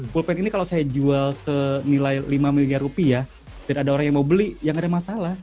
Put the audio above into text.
pulpen ini kalau saya jual senilai lima miliar rupiah dan ada orang yang mau beli ya nggak ada masalah